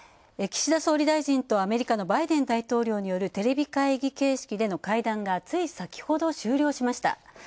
岸田総理大臣とアメリカのバイデン大統領によるテレビ会議形式での会談がつい先ほど終了しました。